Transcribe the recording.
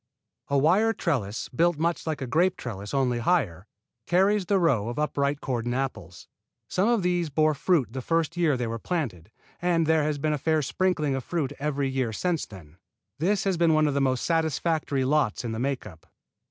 A wire trellis, built much like a grape trellis, only higher, carries the row of upright cordon apples. Some of these bore fruit the first year they were planted, and there has been a fair sprinkling of fruit every year since then. This has been one of the most satisfactory lots in the make up.